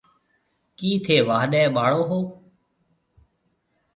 ڪِي ٿَي واهڏيَ ٻاݪيو هيَ؟